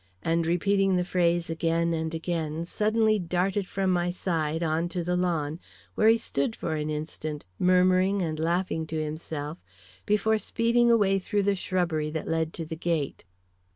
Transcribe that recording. and, repeating the phrase again and again, suddenly darted from my side on to the lawn, where he stood for an instant, murmuring and laughing to himself before speeding away through the shrubbery that led to the gate.